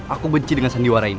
aku benci dengan sandiwara ini